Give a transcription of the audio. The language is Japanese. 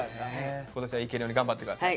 今年は行けるように頑張って下さい。